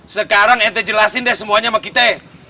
sekarang ente jelasin deh semuanya sama kita ya